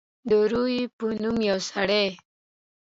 د روي په نوم یو سړی.